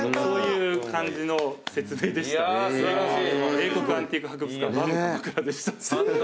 英国アンティーク博物館ＢＡＭ鎌倉でした。